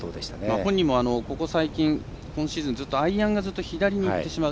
本人も、ここ最近今シーズンアイアンがずっと左にいってしまう。